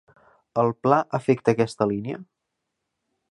El Pla afecta a aquesta línia?